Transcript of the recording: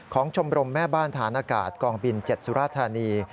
ชมรมแม่บ้านฐานอากาศกองบิน๗สุราธานี